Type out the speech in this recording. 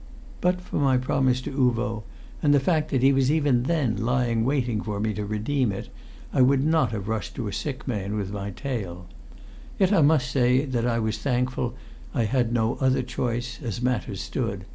But for my promise to Uvo, and the fact that he was even then lying waiting for me to redeem it, I would not have rushed to a sick man with my tale. Yet I must say that I was thankful I had no other choice, as matters stood.